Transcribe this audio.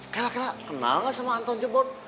kela kela kenal nggak sama anton jebon